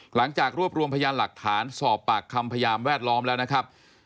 หลังจากรวบรวมพยานหลักฐานสอบปากคำพยานแวดล้อมแล้วนะครับ